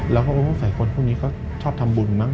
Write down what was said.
แล้วก็พวกสายคนพวกนี้ก็ชอบทำบุญมาก